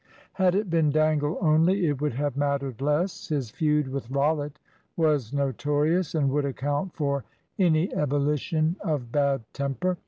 Had it been Dangle only, it would have mattered less. His feud with Rollitt was notorious, and would account for any ebullition of bad temper.